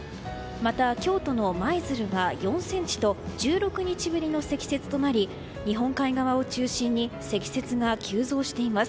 また、京都の舞鶴は４ｃｍと１６日ぶりの積雪となり日本海側を中心に積雪が急増しています。